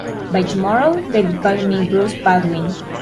By tomorrow they'll be calling me Bruce Baldwin.